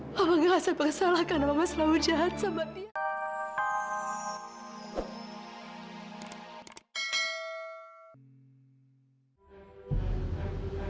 mama ngerasa bersalah karena mama selalu jahat sama dia